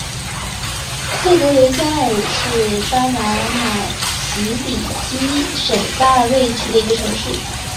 佩德雷加尔是巴拿马奇里基省大卫区的一个城市。